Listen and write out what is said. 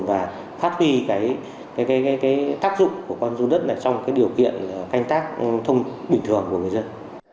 và phát huy cái tác dụng của con run đất này trong cái điều kiện canh tác thông bình thường của người dân